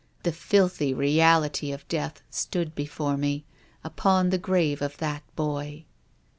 The filthy reality of death stood before me, upon the grave of that boy."